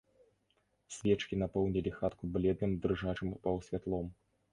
Свечкі напоўнілі хатку бледным дрыжачым паўсвятлом.